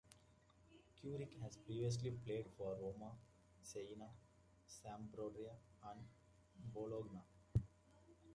Curci has previously played for Roma, Siena, Sampdoria and Bologna.